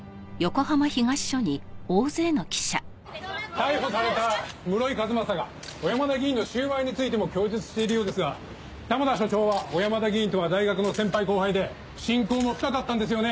逮捕された室井和正が小山田議員の収賄についても供述しているようですが玉田署長は小山田議員とは大学の先輩後輩で親交も深かったんですよね？